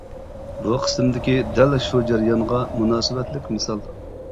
بۇ قىسىمدىكى دەل شۇ جەريانغا مۇناسىۋەتلىك مىسال.